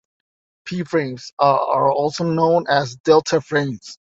P-frames are also known as "delta-frames".